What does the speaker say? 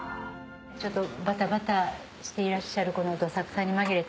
ちょっとバタバタしていらっしゃるこのどさくさに紛れて。